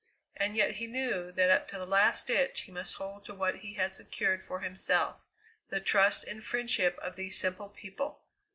And yet he knew that up to the last ditch he must hold to what he had secured for himself the trust and friendship of these simple people.